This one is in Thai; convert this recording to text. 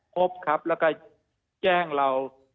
พบครับแล้วก็แจ้งเรา